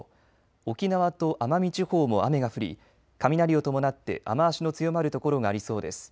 沖縄と奄美地方も雨が降り雷を伴って雨足の強まる所がありそうです。